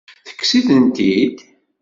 Tekkes-itent-id?